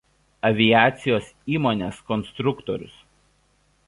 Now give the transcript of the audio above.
Aviacijos įmonės konstruktorius.